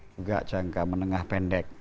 juga jangka menengah pendek